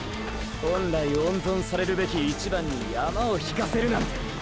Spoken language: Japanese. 本来温存されるべき「１番」に山を引かせるなんて。